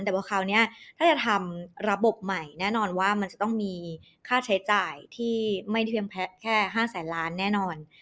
แต่ว่าคราวนี้ถ้าจะทำระบบใหม่แน่นอนว่ามันจะต้องมีค่าใช้จ่ายที่ไม่เทียมแค่๕แสนล้านแน่นอน